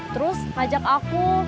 terus ngajak aku